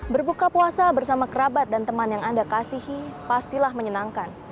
berbuka puasa bersama kerabat dan teman yang anda kasihi pastilah menyenangkan